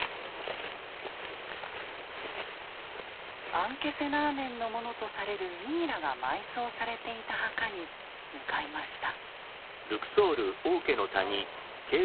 アンケセナーメンのものとされるミイラが埋葬されていた墓に向かいました。